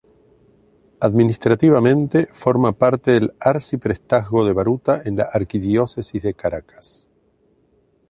Administrativamente forma parte del Arciprestazgo de Baruta en la Arquidiócesis de Caracas.